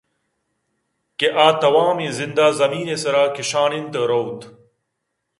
کہ آ توامیں زند ءَ زمین ءِ سرا کشّان اِنت ءُ رَئوت